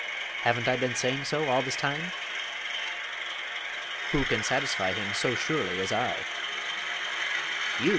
Haven't I been saying so all this time?" "Who can satisfy him so surely as I?" "You!"